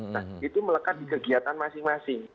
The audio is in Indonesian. nah itu melekat di kegiatan masing masing